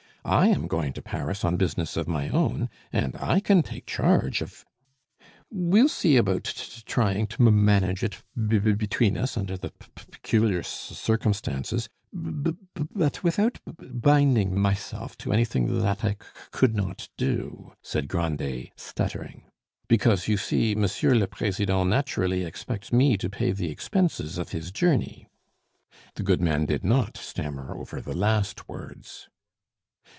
I am going to Paris on business of my own, and I can take charge of " "We'll see about t t trying to m m manage it b b between us, under the p p peculiar c c circumstances, b b but without b b binding m m myself to anything th that I c c could not do," said Grandet, stuttering; "because, you see, monsieur le president naturally expects me to pay the expenses of his journey." The goodman did not stammer over the last words.